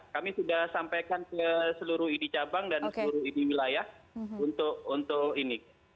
kami sudah sampaikan ke seluruh idi cabang dan seluruh idi wilayah untuk ini